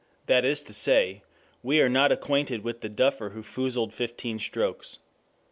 That is to say, we are not acquainted with the duffer who foozled fifteen strokes.